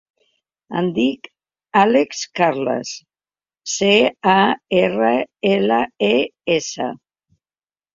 Em dic Àlex Carles: ce, a, erra, ela, e, essa.